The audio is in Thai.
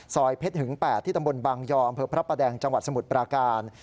เพชรหึง๘ที่ตำบลบางยออำเภอพระประแดงจังหวัดสมุทรปราการ